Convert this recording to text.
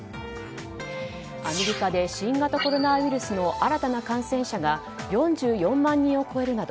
アメリカで新型コロナウイルスの新たな感染者が４４万人を超えるなど